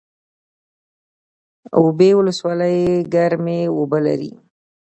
اوبې ولسوالۍ ګرمې اوبه لري؟